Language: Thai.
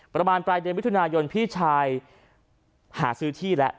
ประมาณปลายเดือนมิถุนายนพี่ชายหาซื้อที่แล้ว